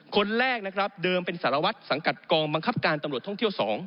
คนแรกนะครับเดิมเป็นสารวัตรสังกัดกองบังคับการตำรวจท่องเที่ยว๒